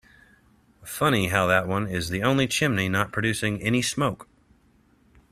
Funny how that one is the only chimney not producing any smoke.